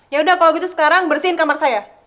yaudah kalau gitu sekarang bersihin kamar saya